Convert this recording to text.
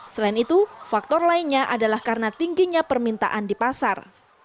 selain itu faktor lainnya adalah karena tingginya permintaan di pasar